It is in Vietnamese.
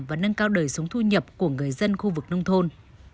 và nâng cao đời sống thu nhập của người dân khu vực nông thôn